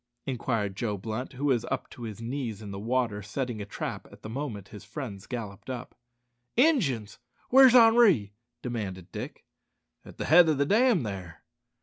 inquired Joe Blunt, who was up to his knees in the water setting a trap at the moment his friend galloped up. "Injuns! Where's Henri?" demanded Dick. "At the head o' the dam there."